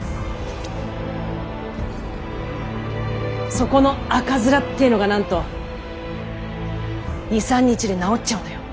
そこの赤面ってのがなんと２３日で治っちゃうのよ。